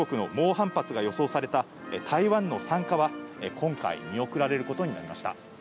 一方、中国の猛反発が予想された台湾の参加は今回見送られることになりました。